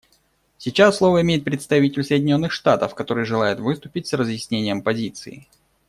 Сейчас слово имеет представитель Соединенных Штатов, который желает выступить с разъяснением позиции.